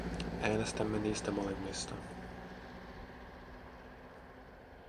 Äänestämme niistä molemmista.